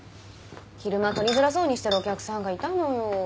昼間取りづらそうにしてるお客さんがいたのよ。